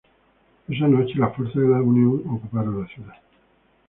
Esa noche, las fuerzas de la Unión, ocuparon la ciudad.